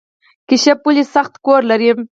کیشپ ولې سخت کور لري؟